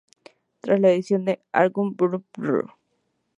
Tras la edición de "Argh! Burp! Prrr!